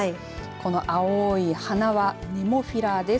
この青い花はネモフィラです。